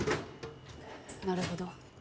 なるほど。